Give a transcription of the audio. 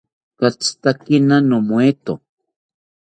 Katzitakena nomoeto